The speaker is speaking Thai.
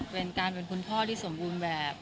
เป็นการเป็นคุณพ่อที่สมบูรณ์แบบ